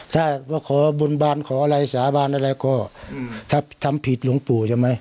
ถ้าว่าขอบนบานขออะไรสาบานอะไรก็ถ้าทำผิดหลวงปู่ใช่ไหม